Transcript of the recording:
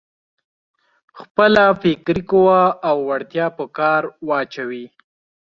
خپله فکري قوه او وړتيا په کار واچوي.